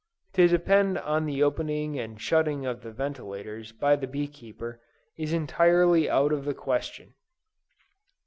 To depend on the opening and shutting of the ventilators by the bee keeper, is entirely out of the question.